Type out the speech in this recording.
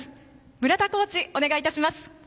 村田コーチ、お願いいたします。